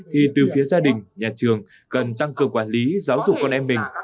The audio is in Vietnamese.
thì từ phía gia đình nhà trường cần tăng cường quản lý giáo dục con em mình